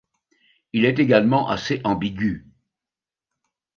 Il est également assez ambigu.